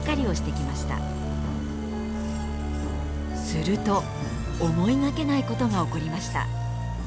すると思いがけないことが起こりました。